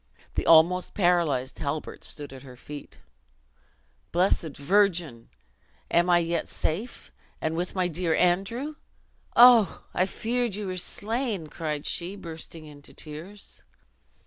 The almost paralyzed Halbert stood at her feet. "Blessed Virgin! am I yet safe, and with my dear Andrew! Oh! I feared you were slain!" cried she, bursting into tears.